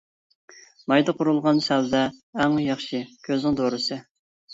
مايدا قۇرۇلغان سەۋزە ئەڭ ياخشى كۆزنىڭ دورىسى.